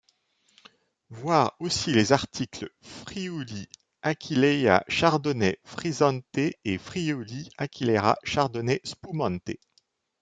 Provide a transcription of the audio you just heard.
Voir aussi les articles Friuli Aquileia Chardonnay frizzante et Friuli Aquileia Chardonnay spumante.